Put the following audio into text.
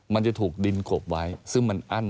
มันจะถูกดินกบไว้ซึ่งมันอั้น